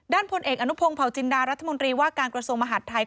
พลเอกอนุพงศ์เผาจินดารัฐมนตรีว่าการกระทรวงมหาดไทย